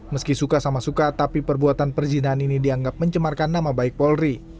meski suka sama suka tapi perbuatan perzinahan ini dianggap mencemarkan nama baik polri